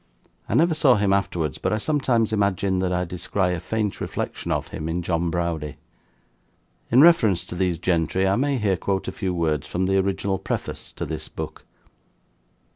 I never saw him afterwards, but I sometimes imagine that I descry a faint reflection of him in John Browdie. In reference to these gentry, I may here quote a few words from the original preface to this book.